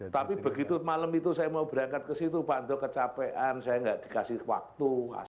tapi begitu malam itu saya mau berangkat ke situ pak ando kecapean saya nggak dikasih waktu